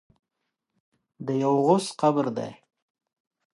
د یوه غوث قبر دی.